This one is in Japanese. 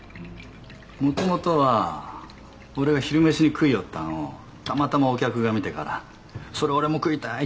もともとは俺が昼飯に食いよったんをたまたまお客が見てから「それ俺も食いたい」